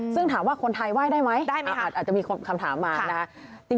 ซึ่งถามว่าคนไทยไหว้ได้ไหมอาจจะมีคำถามมานะคะ